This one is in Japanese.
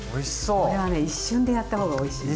これはね一瞬でやったほうがおいしいの。